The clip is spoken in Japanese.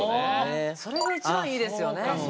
それが一番いいですよね。